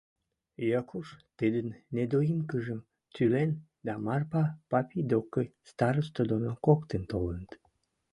Якуш тӹдӹн недоимкӹжӹм тӱлен, дӓ Марпа папи докы староста доно коктын толыныт.